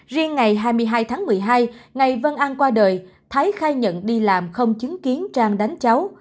riêng ngày hai mươi hai tháng một mươi hai ngày văn an qua đời thái khai nhận đi làm không chứng kiến trang đánh cháu